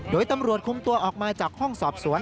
โดยตำรวจคุมตัวออกมาจากห้องสอบสวน